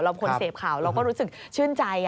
เราเป็นคนเสพข่าวเราก็รู้สึกชื่นใจอะ